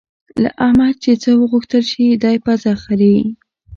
له احمده چې څه وغوښتل شي؛ دی پزه خرېي.